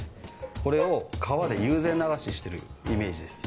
これを川で友禅流ししてるイメージです